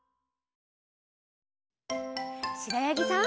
しろやぎさん。